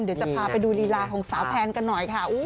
เดี๋ยวจะพาไปดูลีลาของสาวแพนกันหน่อยค่ะ